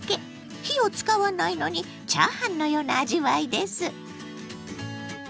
火を使わないのにチャーハンのような味わいです。